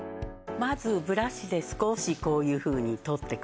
まずブラシで少しこういうふうに取ってください。